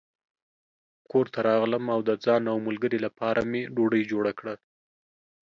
کور ته راغلم او د ځان او ملګري لپاره مې ډوډۍ جوړه کړه.